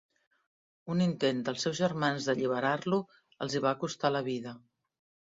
Un intent dels seus germans d'alliberar-lo, els hi va costar la vida.